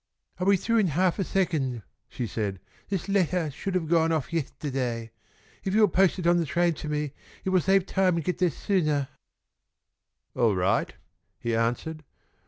"I'll be through in half a second," she said. "This lettah should have gone off yestahday. If you will post it on the train for me it will save time and get there soonah." "All right," he answered.